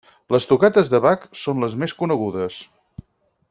Les tocates de Bach són les més conegudes.